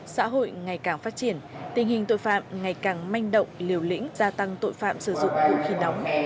xã hội ngày càng phát triển tình hình tội phạm ngày càng manh động liều lĩnh gia tăng tội phạm sử dụng cụ khi đóng